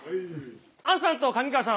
杏さんと上川さん